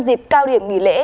dịp cao điểm nghỉ lễ